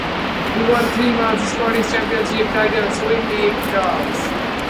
He won three more Scottish championship titles with the Gers.